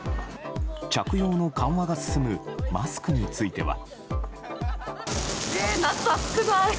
着用の緩和が進むマスクについては。